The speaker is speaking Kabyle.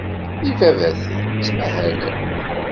Ibabaten ttmahalen.